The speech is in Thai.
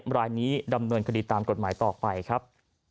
รายนี้ดำเนินคดีตามกฎหมายต่อไปครับ